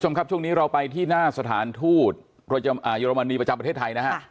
ช่วงนี้เราไปที่หน้าสถานทูตเยอรมนีประจำประเทศไทยนะครับ